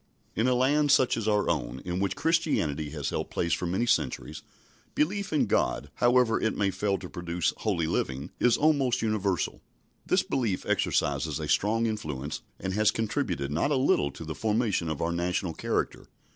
In a land such as our own, in which Christianity has held place for many centuries, belief in God, however it may fail to produce holy living, is almost universal. This belief exercises a strong influence, and has contributed not a little to the formation of our national character.